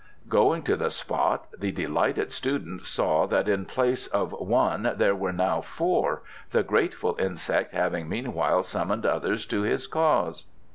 Going to the spot the delighted student saw that in place of one there were now four, the grateful insect having meanwhile summoned others to his cause.